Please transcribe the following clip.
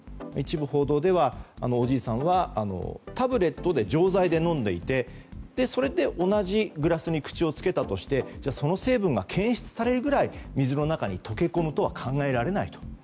一部、報道ではおじいさんはタブレットで、錠剤で飲んでいてそれで、同じグラスに口をつけたとしてじゃあ、その成分が検出されるぐらい水の中に溶け込むとは考えられないと。